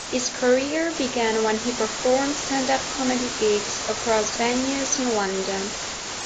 His career began when he performed stand-up comedy gigs across venues in London.